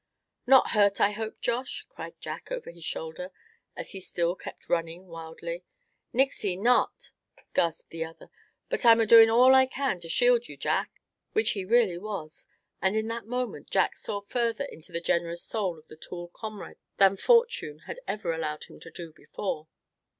"Not hurt, I hope, Josh?" cried Jack, over his shoulder, as he still kept running wildly. "Nixey, not!" gasped the other; "but I'm adoin' all I can to shield you, Jack!" Which he really was; and in that moment Jack saw further into the generous soul of the tall comrade than fortune had ever allowed him to do before.